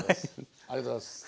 ありがとうございます。